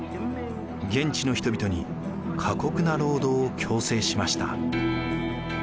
現地の人々に過酷な労働を強制しました。